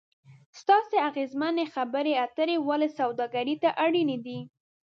ستاسې اغیزمنې خبرې اترې ولې سوداګري ته اړینې دي ؟